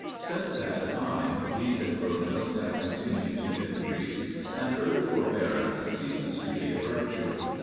Since that time, these encroachments have continued to increase, and further forbearance ceases to be a virtue.